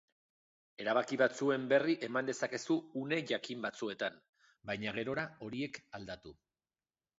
Erabaki batzuen berri eman dezakezu une jakin batzuetan, baina gerora horiek aldatu.